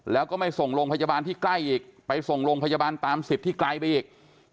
แล้วก็ไม่ส่งโรงพยาบาลที่ใกล้อีกไปส่งโรงพยาบาลตามสิทธิ์ที่ไกลไปอีก